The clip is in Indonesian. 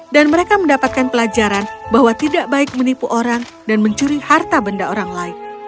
dan mereka mendapatkan pelajaran bahwa tidak baik menipu orang dan mencuri harta banyak